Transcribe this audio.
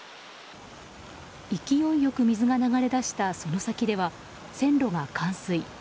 勢いよく水が流れ出したその先では線路が冠水。